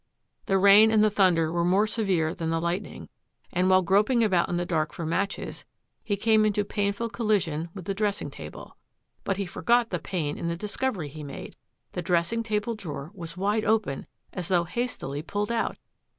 The rain and the thunder were more severe than the lightning, and, while groping about in the dark for matches, he came into painful collision with the dressing table. But he forgot the pain in the discovery he made. The dressing table drawer was wide open as though hastily pulled out!